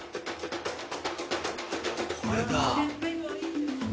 これだ。